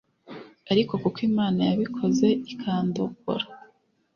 ariko kuko Imana yabikoze ikandokora